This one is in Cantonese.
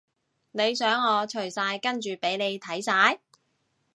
你想我除晒跟住畀你睇晒？